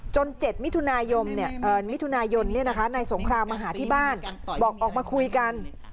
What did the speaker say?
๗มิถุนายนมิถุนายนนายสงครามมาหาที่บ้านบอกออกมาคุยกัน